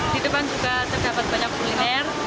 di depan juga terdapat banyak kuliner